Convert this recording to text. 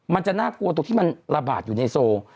มันจะน่ากลัวตรงที่มันระบาดอยู่ในโซ